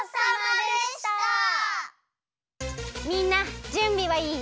みんなじゅんびはいい？